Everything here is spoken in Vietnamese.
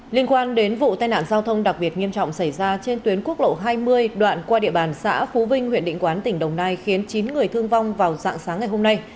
liên quan đến vụ tai nạn giao thông đặc biệt nghiêm trọng xảy ra trên tuyến quốc lộ hai mươi đoạn qua địa bàn xã phú vinh huyện định quán tỉnh đồng nai khiến chín người thương vong vào dạng sáng ngày hôm nay